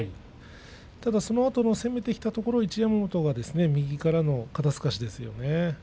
ただそのあと攻めてきたところを一山本は、右からの肩すかし。